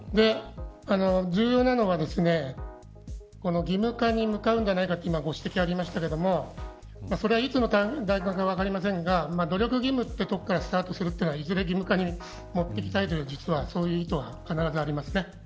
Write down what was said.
１４年度は義務化に向かうんじゃないかと今ご指摘ありましたがそれはいつの段階か分かりませんが努力義務というところからスタートするのはいずれ義務化に持っていきたいという実はそういう意図が必ずあります。